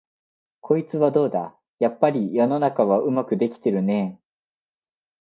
こいつはどうだ、やっぱり世の中はうまくできてるねえ、